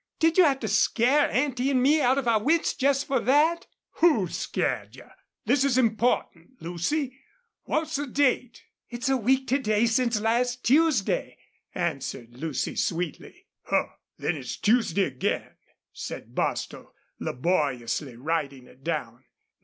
Did you have to scare Auntie and me out of our wits just for that?" "Who scared you? This is important, Lucy. What's the date?" "It's a week to day since last Tuesday," answered Lucy, sweetly. "Huh! Then it's Tuesday again," said Bostil, laboriously writing it down.